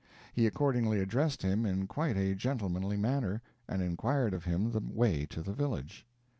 He accordingly addressed him in quite a gentlemanly manner, and inquired of him the way to the village.